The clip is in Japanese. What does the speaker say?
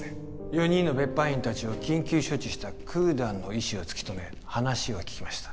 ４人の別班員たちを緊急処置したクーダンの医師を突き止め話を聞きました